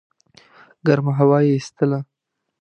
ګرمه هوا یې ایستله.